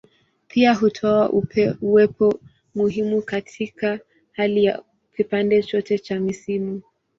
Pia hutoa uwepo muhimu katika hali ya kipande chote cha misimu.